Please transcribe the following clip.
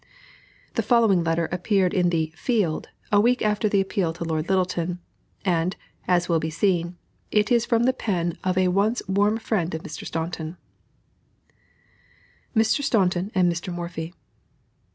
The following letter appeared in the "Field" a week after the appeal to Lord Lyttelton; and, as will be seen, it is from the pen of a once warm friend of Mr. Staunton: MR. STAUNTON AND MR. MORPHY.